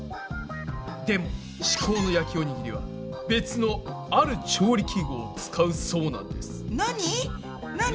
でも至高の焼きおにぎりは別の「ある調理器具」を使うそうなんです。